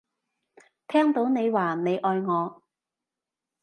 聽到你話你愛我